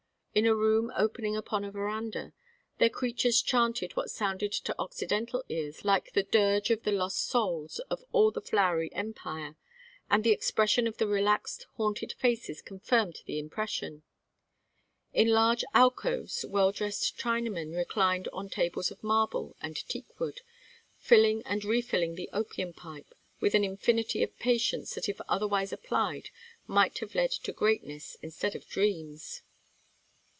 In a room opening upon a veranda, their creatures chanted what sounded to Occidental ears like the dirge of the lost souls of all the Flowery Empire, and the expression of the relaxed haunted faces confirmed the impression. In large alcoves well dressed Chinamen reclined on tables of marble and teakwood, filling and refilling the opium pipe with an infinity of patience that if otherwise applied might have led to greatness instead of dreams.